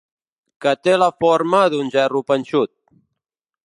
Que té la forma d'un gerro panxut.